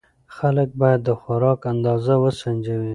خلک باید د خوراک اندازه وسنجوي.